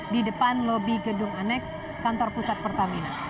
di depan lobi gedung aneks kantor pusat pertamina